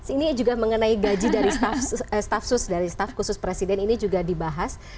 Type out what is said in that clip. ini juga mengenai gaji dari staf sus dari staff khusus presiden ini juga dibahas